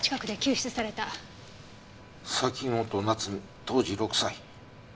崎本菜津美当時６歳。